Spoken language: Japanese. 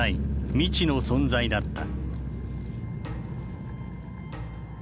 未知の存在だった。